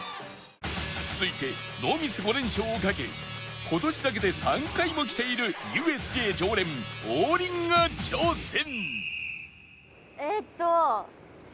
続いてノーミス５連勝をかけ今年だけで３回も来ている ＵＳＪ 常連王林が挑戦